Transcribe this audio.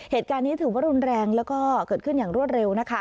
เหตุการณ์นี้ถือว่ารุนแรงแล้วก็เกิดขึ้นอย่างรวดเร็วนะคะ